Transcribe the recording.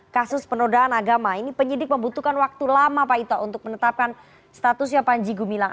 kasus penodaan agama ini penyidik membutuhkan waktu lama pak ito untuk menetapkan statusnya panji gumilang